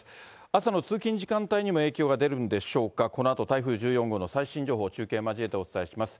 朝の通勤時間帯にも影響が出るんでしょうか、このあと台風１４号の最新情報を中継交えてお伝えします。